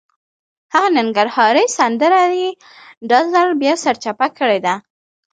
هغه ننګرهارۍ سندره یې دا ځل بیا سرچپه کړې ده.